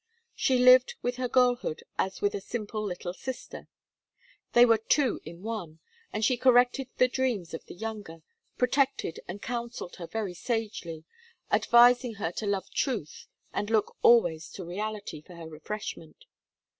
She lived with her girlhood as with a simple little sister. They were two in one, and she corrected the dreams of the younger, protected and counselled her very sagely, advising her to love Truth and look always to Reality for her refreshment.